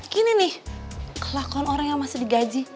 gini nih kelakon orang yang masih digaji